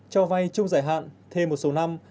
cho vai trung giải hạn thêm một số năm